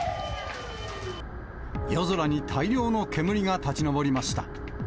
夜空に大量の煙が立ち上りました。